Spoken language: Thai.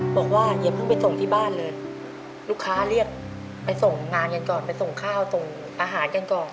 บอกว่าอย่าเพิ่งไปส่งที่บ้านเลยลูกค้าเรียกไปส่งงานกันก่อนไปส่งข้าวส่งอาหารกันก่อน